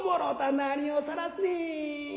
何をさらすねん。